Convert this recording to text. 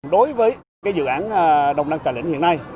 đối với dự án đồng đăng trà lĩnh hiện nay